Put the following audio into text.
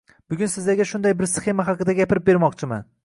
Bugun sizlarga shunday bir sxema haqida gapirib bermoqchiman